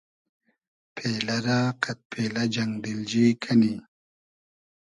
پېلۂ رۂ قئد پېلۂ جئنگ دیلجی کئنی